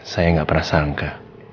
saya gak pernah sangka